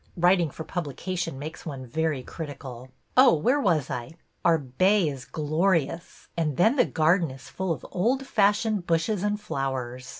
Writing for publication makes one very critical. Oh, where was I? Our bay is glorious, and then the garden is full of old fashioned bushes and flowers.